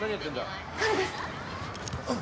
彼です。